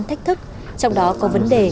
thách thức trong đó có vấn đề